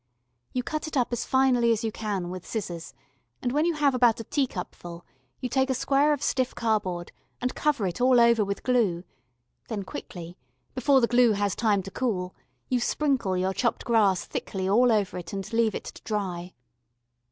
You cut it up as finely as you can with scissors, and when you have about a teacupful you take a square of stiff cardboard and cover it all over with glue; then quickly, before the glue has time to cool, you sprinkle your chopped grass thickly all over it and leave it to dry.